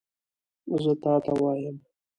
زه تا ته وایم !